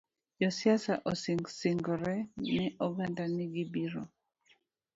Josiasa osesingore ne oganda ni gibiro